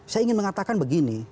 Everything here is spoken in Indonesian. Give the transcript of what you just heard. saya ingin mengatakan begini